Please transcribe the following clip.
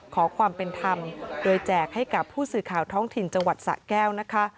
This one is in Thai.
ขอความเป็นธรรมโดยแจกให้กับผู้สื่อข่าวท้องถิ่นจังหวัดสะแก้วนะคะ